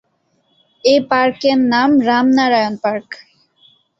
এ পার্কের নাম রামনারায়ণ পার্ক।